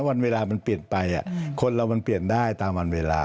วันเวลามันเปลี่ยนไปคนเรามันเปลี่ยนได้ตามวันเวลา